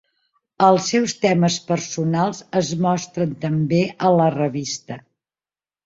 Els seus temes personals es mostren també a la revista.